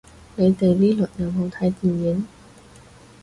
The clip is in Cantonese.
你哋呢輪有冇睇電影